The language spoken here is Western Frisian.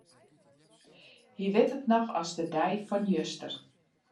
Hy wit it noch as de dei fan juster.